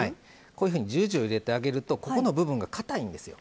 こういうふうに十字を入れてあげるとここの部分がかたいんですよ。